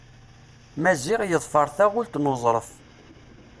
Maziɣ yeḍfer taɣult n Uẓref.